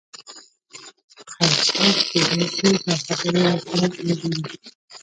خیر، څوک چې زوړ شي دا خبرې ورسره تړلې دي.